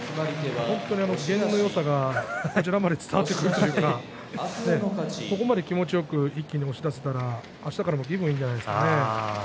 本当に験のよさがこちらまで伝わってくるようなここまで気持ちよく一気に押し出せたらあしたから気分がいいんじゃないですかね。